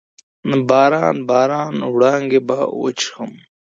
باران، باران وړانګې به وچیښمه